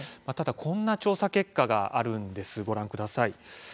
ただこんな調査結果があるんですご覧ください。